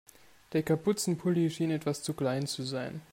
Der Kapuzenpulli schien etwas zu klein zu sein.